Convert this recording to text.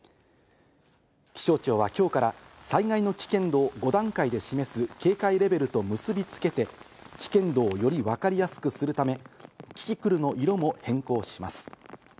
気象庁は今日から災害の危険度を５段階で示す警戒レベルと結びつけて危険度をよりわかりやすくするためキキクルの色も変更します。